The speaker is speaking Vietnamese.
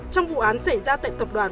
trong vụ án xảy ra tại tập đoàn